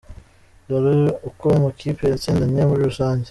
Dore uko amakipe yatsindanye muri rusange.